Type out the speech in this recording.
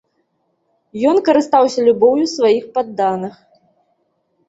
Ён карыстаўся любоўю сваіх падданых.